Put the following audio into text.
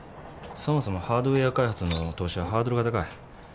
そもそもハードウェア開発の投資はハードルが高い。